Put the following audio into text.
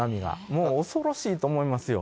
もう恐ろしいと思いますよ。